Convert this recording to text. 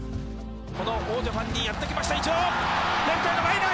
この王ジャパンにやって来ましたイチロー！